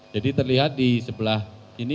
jadi terlihat di sebelah ini